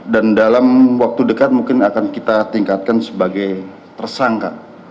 dan dalam waktu dekat mungkin akan kita tingkatkan sebagai tersangka